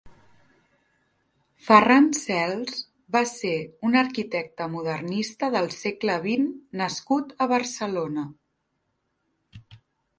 Ferran Cels va ser un arquitecta modernista del segle vint nascut a Barcelona.